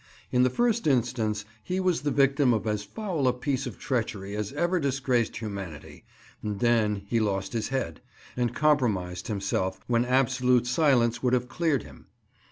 In the first instance, he was the victim of as foul a piece of treachery as ever disgraced humanity, and then he lost his head, and compromised himself when absolute silence would have cleared him.